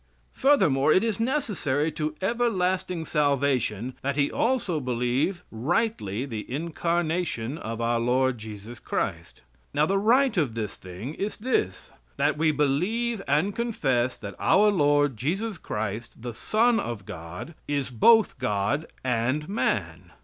Furthermore, it is necessary to everlasting salvation that he also believe rightly the incarnation of our Lord Jesus Christ. Now the right of this thing is this: That we believe and confess that our Lord Jesus Christ, the Son of God, is both God and man.